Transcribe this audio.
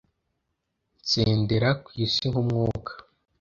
nsendera ku isi nk’umwuka.